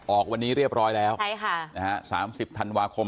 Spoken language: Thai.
ออกวันนี้เรียบร้อยแล้วใช่ค่ะนะฮะสามสิบธันวาคม